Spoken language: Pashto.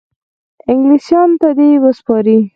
انګلیسیانو ته دي وسپاري.